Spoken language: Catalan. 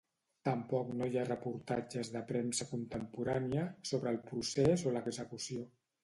Tampoc no hi ha reportatges de premsa contemporània sobre el procés o l'execució.